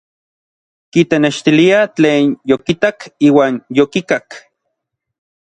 Kitenextilia tlen yokitak iuan yokikak.